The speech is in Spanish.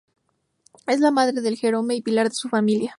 Es la madre de Jerome y pilar de su familia.